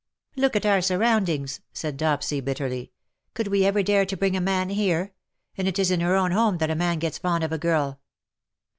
'^ Look at our surroundings," said Dopsy bitterly. " Could we ever dare to bring a man here ; and it is in her own home that a man gets fond of a girl."